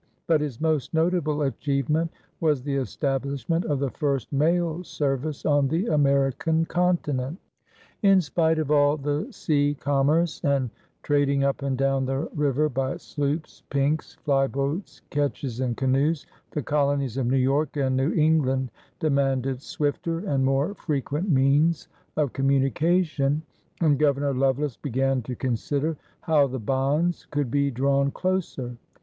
But his most notable achievement was the establishment of the first mail service on the American continent. In spite of all the sea commerce and trading up and down the river by sloops, pinks, flyboats, ketches, and canoes, the colonies of New York and New England demanded swifter and more frequent means of communication, and Governor Lovelace began to consider how the bonds could be drawn closer.